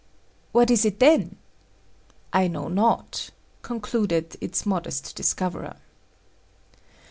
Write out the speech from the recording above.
"What is it then?" "I know not," concluded its modest discoverer.